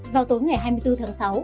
vào tối ngày hai mươi bốn tháng sáu